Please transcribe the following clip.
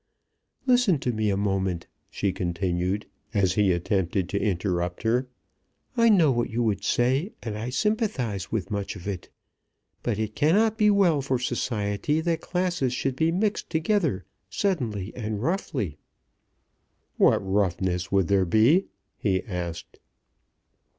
Listen to me a moment," she continued, as he attempted to interrupt her. "I know what you would say, and I sympathize with much of it; but it cannot be well for society that classes should be mixed together suddenly and roughly." "What roughness would there be?" he asked.